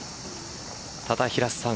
ただ、平瀬さん